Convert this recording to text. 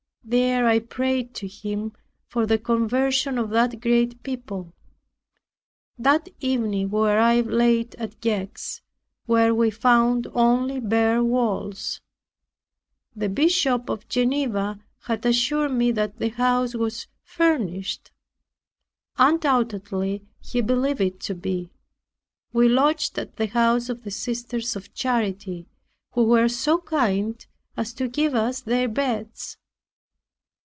There I prayed to Him for the conversion of that great people. That evening we arrived late at Gex, where we found only bare walls. The Bishop of Geneva had assured me that the house was furnished; undoubtedly he believed it to be. We lodged at the house of the sisters of charity, who were so kind as to give us their beds.